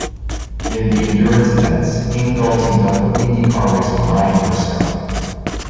In the Endurance events, Ingall teamed up with IndyCar racer Ryan Briscoe.